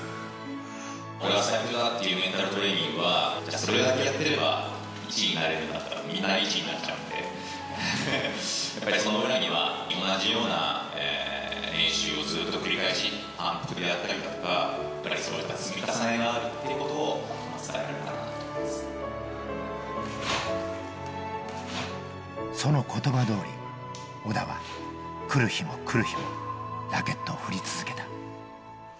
俺は最強だっていうメンタルトレーニングは、それだけやってれば１位になれるなら、みんな１位になっちゃうんで、やっぱりその裏には、同じような練習をずっと繰り返し、反復でやったりとか、やっぱりそういった積み重ねがあるというこそのことばどおり、小田は来る日も来る日も、ラケットを振り続けた。